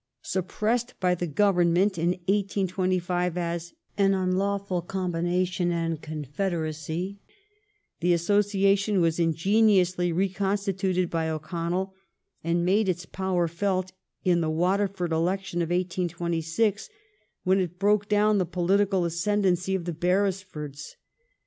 Suppressed by the Government in 1825 as '* an unlawful combination and confederacy," the Association was ingeniously reconstituted by O'Connell and made its power felt in the Waterford election of 1826, when it broke down the political ascendancy of the Beresfords.